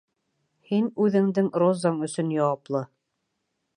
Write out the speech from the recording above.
Һин үҙеңдең розаң өсөн яуаплы.